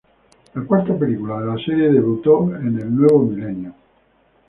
La cuarta película en la serie debutó en el nuevo milenio.